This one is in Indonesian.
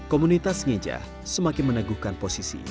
komunitas ngeja semakin meneguhkan posisi